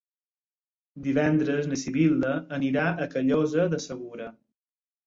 Divendres na Sibil·la anirà a Callosa de Segura.